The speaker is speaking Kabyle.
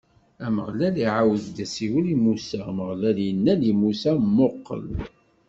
Ameɣlal iɛawed-d asiwel i Musa, Ameɣlal inna-d i Musa: Muqel!